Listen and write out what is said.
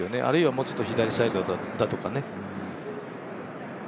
あるいはもうちょっと左サイドだとかね。